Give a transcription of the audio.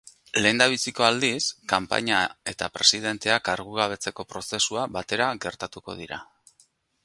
Lehendabiziko aldiz, kanpaina eta presidentea kargugabetzeko prozesua batera gertatuko dira.